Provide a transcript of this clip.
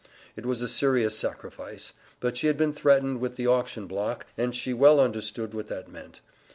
It was a serious sacrifice; but she had been threatened with the auction block, and she well understood what that meant.